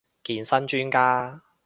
健身專家